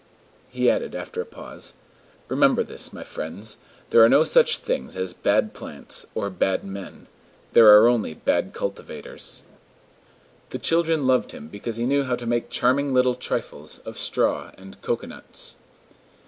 He added, after a pause: "Remember this, my friends: there are no such things as bad plants or bad men. There are only bad cultivators." The children loved him because he knew how to make charming little trifles of straw and cocoanuts.